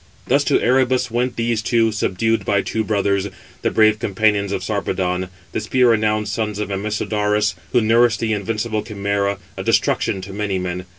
Thus to Erebus went these two, subdued by two brothers, the brave companions of Sarpedon, the spear renowned sons of Amisodarus, who nourished the invincible 519 Chimæra, a destruction to many men.